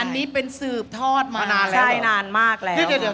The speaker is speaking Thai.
อันนี้เป็นสืบทอดมามานานแล้วใช่นานมากแล้วเดี๋ยวเดี๋ยว